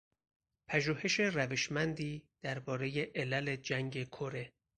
پژوهش روشمندی دربارهی علل جنگ کره